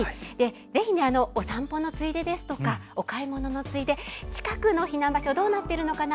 ぜひお散歩のついでですとかお買い物のついで近くの避難場所どうなっているのかな